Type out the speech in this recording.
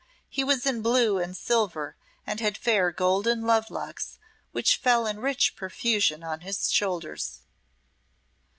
He was in blue and silver and had fair golden love locks which fell in rich profusion on his shoulders.